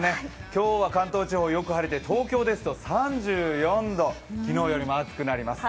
今日は関東地方よく晴れて東京ですと３４度、昨日よりも暑くなります。